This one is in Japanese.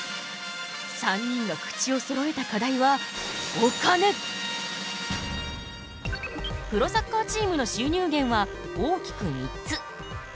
３人が口をそろえた課題はプロサッカーチームの収入源は大きく３つ。